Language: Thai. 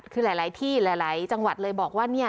คือหลายที่หลายจังหวัดเลยบอกว่าเนี่ย